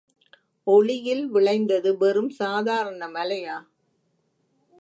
ஒளியில் விளைந்தது வெறும் சாதாரண மலையா?